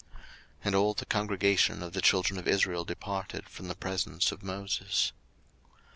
02:035:020 And all the congregation of the children of Israel departed from the presence of Moses.